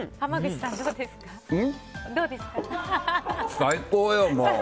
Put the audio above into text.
最高よ、もう。